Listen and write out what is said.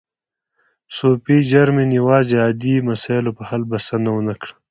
صوفي جرمین یوازې عادي مسایلو په حل بسنه و نه کړه.